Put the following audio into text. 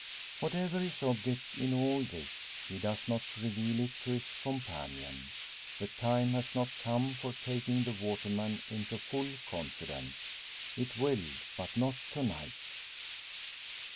Whatever his object in all this, he does not reveal it to his companion. The time has not come for taking the waterman into full confidence. It will, but not to night.